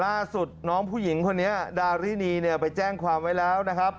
ล่าสุดน้องผู้หญิงคนนี้ดารินีเนี่ยไปแจ้งความไว้แล้วนะครับ